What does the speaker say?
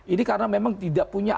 ini karena memang tidak punya